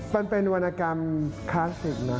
มันเป็นวรรณกรรมคลาสสิกนะ